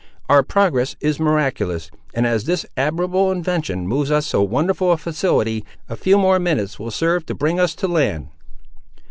"Our progress is miraculous; and as this admirable invention moves with so wonderful a facility, a few more minutes will serve to bring us to land."